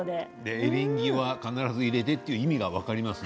エリンギは必ず入れてという意味が分かりますね。